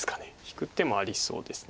引く手もありそうです。